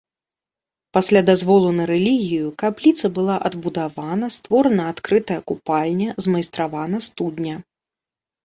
Пасля дазволу на рэлігію, капліца была адбудавана, створана адкрытая купальня, змайстравана студня.